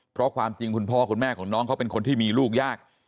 เพราะความจริงคุณพ่อคุณแม่ของน้องเขาเป็นคนที่มีลูกยาก